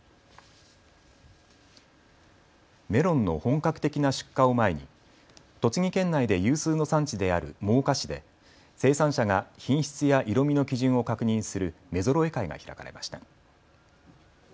メロンの本格的な出荷を前に栃木県内で有数の産地である真岡市で生産者が品質や色みの基準を確認する目ぞろえ会が開かれました。